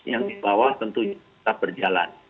yang dibawah tentunya kita berjalan